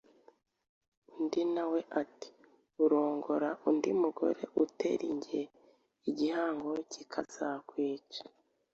Undi na we ati Urongora undi mugore uteri ge igihango kikazakwica.